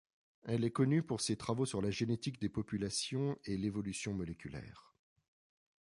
Elle est connue pour ses travaux sur la génétique des populations et l'évolution moléculaire.